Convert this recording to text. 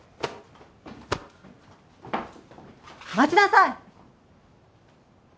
待ちなさい！